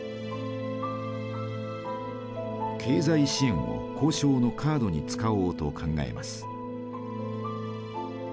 経済支援を交渉のカードに使おうと考えます。